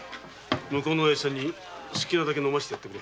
向こうのおやじさんに好きなだけ飲ませてやってくれ。